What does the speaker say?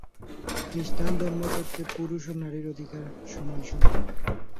খ্রিস্টান ধর্মতত্ত্বে পুরুষ ও নারীর অধিকারে সমান সমান।